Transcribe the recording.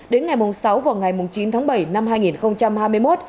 đến ngày sáu và ngày chín tháng bảy năm hai nghìn hai mươi một